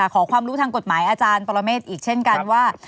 ขอความรู้ทางกฎหมายอาจารย์ปรเมฆอีกเช่นกันว่า